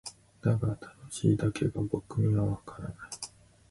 だが「楽しい」だけが僕にはわからない。